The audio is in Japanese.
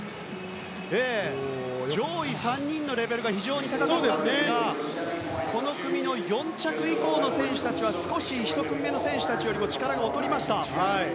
上位３人のレベルが非常に高かったんですがこの組の４着以降の選手たちは１組目の選手よりも少し力が劣りました。